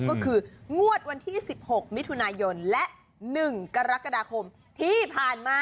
ก็คืองวดวันที่๑๖มิถุนายนและ๑กรกฎาคมที่ผ่านมา